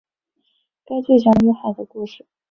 该剧讲述了一个人与海的故事。